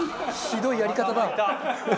ひどいやり方だ。